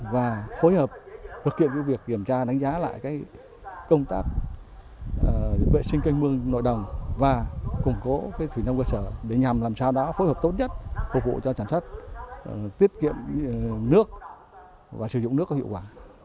và phối hợp với việc kiểm tra đánh giá lại công tác vệ sinh canh mương nội đồng và củng cố thủy nông cơ sở để nhằm làm sao đó phối hợp tốt nhất phục vụ cho trả sát tiết kiệm nước và sử dụng nước có hiệu quả